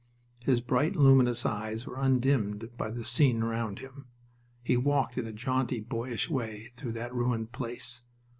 His bright, luminous eyes were undimmed by the scene around him. He walked in a jaunty, boyish way through that ruined place.